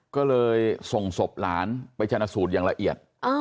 ก็เลยส่งศพหลานไปชนะสูตรอย่างละเอียด